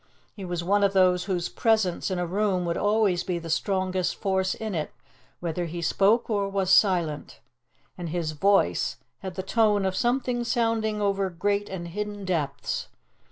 He was one of those whose presence in a room would always be the strongest force in it, whether he spoke or was silent, and his voice had the tone of something sounding over great and hidden depths.